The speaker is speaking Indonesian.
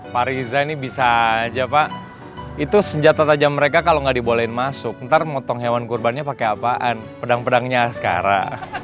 pak riza ini bisa aja pak itu senjata tajam mereka kalau nggak dibolehin masuk ntar motong hewan kurbannya pakai apaan pedang pedangnya sekarang